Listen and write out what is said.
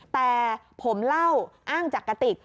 แต่ผมเล่าอ้างจากกติก